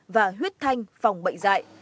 và huyết thanh phòng bệnh dạy